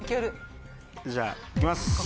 じゃあいきます！